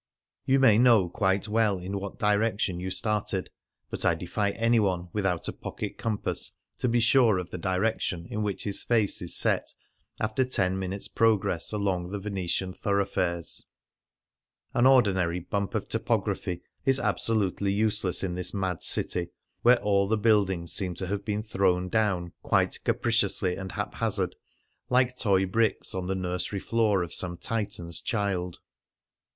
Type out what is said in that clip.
You may know quite well in what direction you started, but I defy anyone (without a pocket compass) to be sure of the direction in which his face is set after ten minutes' progress along the Venetian thorough fares ! An ordinary " bump of topography "^ is absolutely useless in this mad city where all the buildings seem to have been thrown down quite capriciously and haphazard, like toy bricks on the nursery floor of some Titan's child.